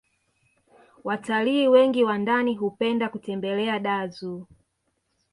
watalii wengi wa ndani hupenda kutembelea dar zoo